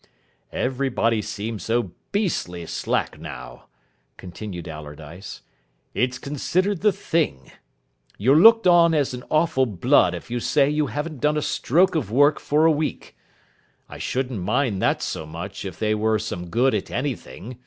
"Everybody seems so beastly slack now," continued Allardyce. "It's considered the thing. You're looked on as an awful blood if you say you haven't done a stroke of work for a week. I shouldn't mind that so much if they were some good at anything.